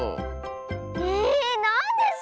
えなんです